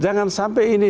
jangan sampai ini